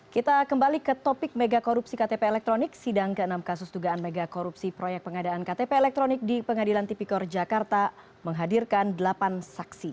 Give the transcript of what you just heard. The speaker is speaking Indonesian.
kita kembali ke topik megakorupsi ktp elektronik sidang ke enam kasus tugaan megakorupsi proyek pengadaan ktp elektronik di pengadilan tipikor jakarta menghadirkan delapan saksi